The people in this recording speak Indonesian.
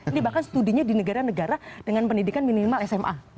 ini bahkan studinya di negara negara dengan pendidikan minimal sma